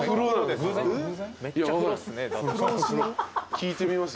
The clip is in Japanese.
聞いてみます？